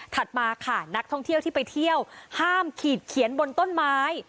มาค่ะนักท่องเที่ยวที่ไปเที่ยวห้ามขีดเขียนบนต้นไม้